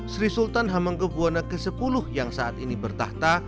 sri sultan hamengkebuwana x yang saat ini bertahta